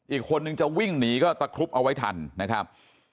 อีกคนนึงจะวิ่งหนีก็ตะครุบเอาไว้ทันนะครับ